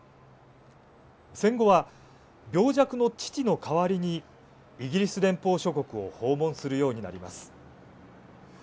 戦後は病弱の父の代わりにイギリス連邦諸国を訪問するようになります。